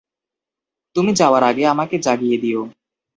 তুমি যাওয়ার আগে আমাকে জাগিয়ে দিও।